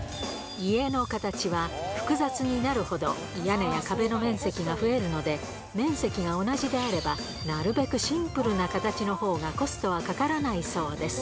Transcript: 家の形は、複雑になるほど、屋根や壁の面積が増えるので、面積が同じであれば、なるべくシンプルな形のほうがコストはかからないそうです。